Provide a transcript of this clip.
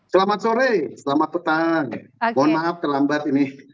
selamat sore selamat petang mohon maaf terlambat ini